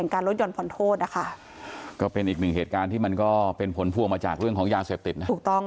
ครับผมไม่ต้องสร้างกรรณร้อนให้คนอื่นครับ